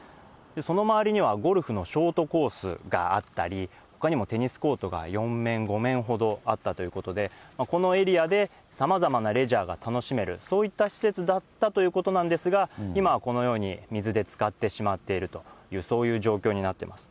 その周りにはゴルフのショートコースがあったり、ほかにもテニスコートが４面、５面ほどあったということで、このエリアでさまざまなレジャーが楽しめる、そういった施設だったということなんですが、今はこのように、水でつかってしまっているという、そういう状況になってます。